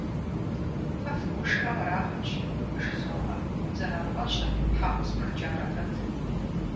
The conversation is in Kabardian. — Фэ фыгушыӀэу ара хъунщ? — жызоӀэ, зэрафӀэщыр хьэкъыу спхыкӀарэ пэт.